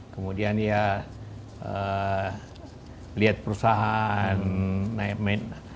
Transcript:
kemudian ya lihat perusahaan